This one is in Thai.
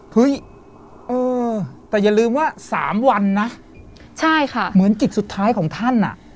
เฮ้ยเออแต่อย่าลืมว่าสามวันนะใช่ค่ะเหมือนจิตสุดท้ายของท่านอ่ะ